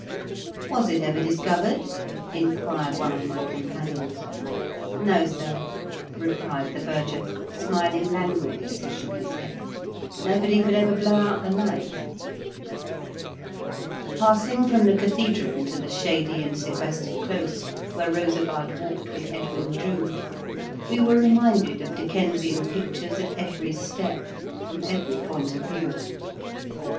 " Was it ever discovered ?" inquired one of my companions. "No, sir," replied the verger, smiling languidly as he shook his head. "Nobody could ever blow out the light." « 64 nr KENT WITE CEABLE8 DICKENS. Passing from the cathedral into the shady and sequestered close, where Rosa Bud walked with Edwin Drood, we were reminded of Dickensian pictures at every step, from every* point of view.